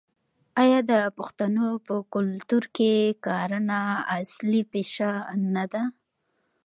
آیا د پښتنو په کلتور کې کرنه اصلي پیشه نه ده؟